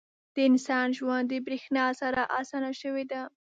• د انسان ژوند د برېښنا سره اسانه شوی دی.